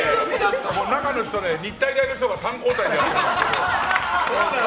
中の人は日体大の人が３交代でやってます。